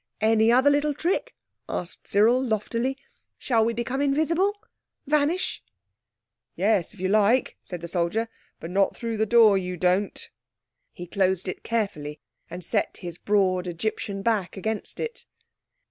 "Any other little trick?" asked Cyril loftily. "Shall we become invisible? Vanish?" "Yes, if you like," said the soldier; "but not through the door, you don't." He closed it carefully and set his broad Egyptian back against it.